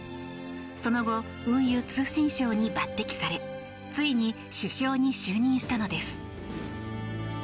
その後、運輸・通信相に抜擢されついに首相に就任したのです。